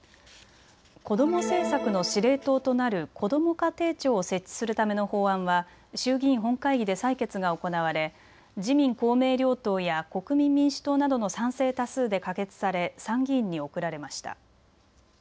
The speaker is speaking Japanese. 子ども政策の司令塔となるこども家庭庁を設置するための法案は衆議院本会議で採決が行われ自民公明両党や国民民主党などの賛成多数で可決され参議院に送られました。